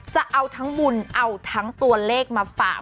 จะเอาทั้งบุญเอาทั้งตัวเลขมาฝาก